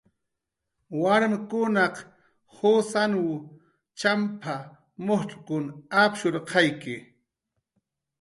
"Warmkunaq jusanw champ""a, mujcxkun apshurqayki"